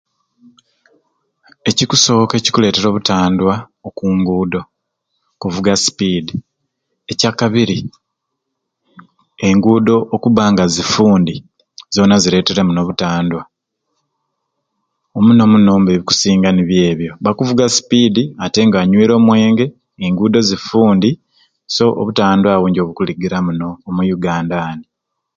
Ekikusoka ekikuletera obutandwa oku ngudo, kuvuuga sipidi, ekyakabiri engudo okubanga zifundi zona ziretere muno obutandwa. Omunomuno mbe ebikusinga nibyo ebyo bakuvuuga sipidi atenga anywire omwenge, engudo zifundi so obutandwa awo nijo bukuligiira muno omu Uganda ani.